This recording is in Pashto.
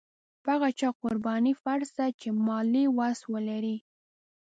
په هغه چا قرباني فرض ده چې مالي وس ولري.